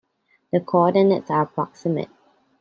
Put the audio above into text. The coordinates are approximate.